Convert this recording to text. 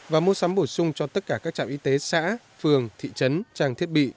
và mua sắm bổ sung cho tất cả các trạm y tế xã phường thị trấn trang thiết bị